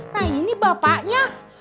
nah ini bapaknya